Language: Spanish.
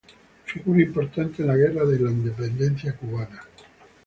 Figura importante en la Guerra de Independencia cubana.